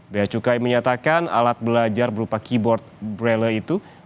bea cukai menyatakan alat belajar berupa keyboard braille itu